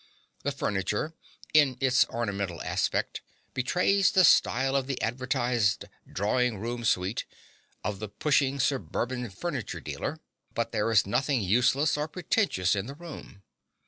The furniture, in its ornamental aspect, betrays the style of the advertised "drawing room suite" of the pushing suburban furniture dealer; but there is nothing useless or pretentious in the room.